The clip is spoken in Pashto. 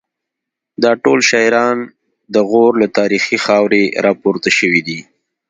دا ټول شاعران د غور له تاریخي خاورې راپورته شوي دي